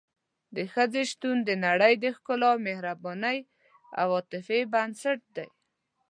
د ښځې شتون د نړۍ د ښکلا، مهربانۍ او عاطفې بنسټ دی.